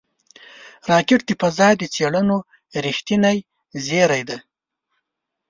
راکټ د فضا د څېړنو رېښتینی زېری دی